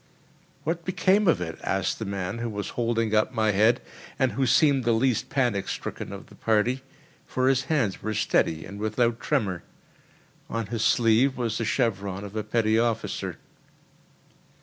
"What became of it?" asked the man who was holding up my head, and who seemed the least panic stricken of the party, for his hands were steady and without tremor. On his sleeve was the chevron of a petty officer.